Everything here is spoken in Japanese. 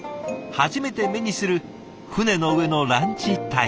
初めて目にする船の上のランチタイム。